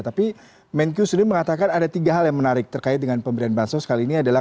tapi menkyu sendiri mengatakan ada tiga hal yang menarik terkait dengan pemberian bansos kali ini adalah